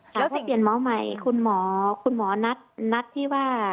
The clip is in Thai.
ถามว่าเปลี่ยนหมอใหม่คุณหมอนัดที่ว่า